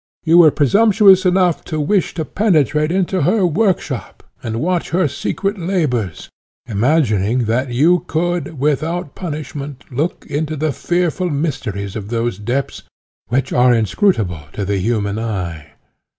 You were presumptuous enough to wish to penetrate into her workshop and watch her secret labours, imagining that you could, without punishment, look into the fearful mysteries of those depths, which are inscrutable to the human eye.